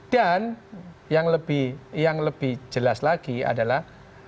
dan yang lebih jelas lagi adalah